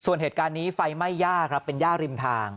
ส่วนเหตุการณ์นี้ไฟไหม้ย่าครับเป็นย่าริมทาง